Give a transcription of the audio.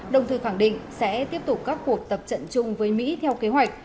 đồng thời khẳng định sẽ tiếp tục các cuộc tập trận chung với mỹ theo kế hoạch